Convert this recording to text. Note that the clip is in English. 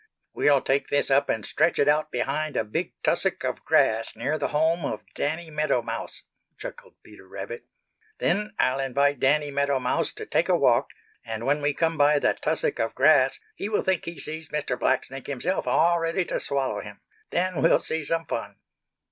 "We'll take this up and stretch it out behind a big tussock of grass near the home of Danny Meadow Mouse," chuckled Peter Rabbit. "Then I'll invite Danny Meadow Mouse to take a walk, and when we come by the tussock of grass he will think he sees Mr. Blacksnake himself all ready to swallow him. Then we'll see some fun."